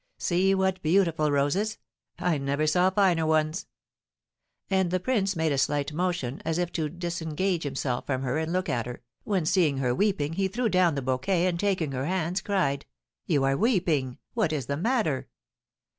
"See what beautiful roses; I never saw finer ones." And the prince made a slight motion as if to disengage himself from her and look at her, when, seeing her weeping, he threw down the bouquet, and, taking her hands, cried: "You are weeping! What is the matter?"